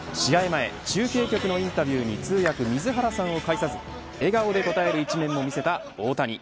前、中継局のインタビューに通訳水原さんを介さず笑顔で応える一面も見せた大谷